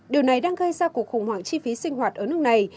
điều này đang gây ra cuộc khủng hoảng chi phí sinh hoạt ở nước này